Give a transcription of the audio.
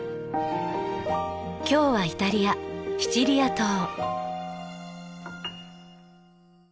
今日はイタリアシチリア島。